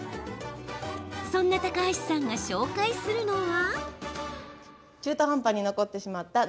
そんな高橋さんが紹介するのは。